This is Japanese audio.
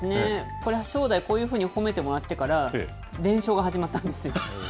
これは正代、こういうふうに褒めてもらってから、連勝が始まったんですよ。